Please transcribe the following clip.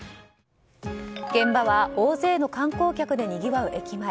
現場は大勢の観光客でにぎわう駅前。